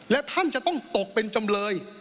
และท่านจะต้องตกเป็นจำเลย